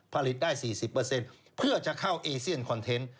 ผลิตได้๔๐เพื่อจะเข้าเอเซียนคอนเทนต์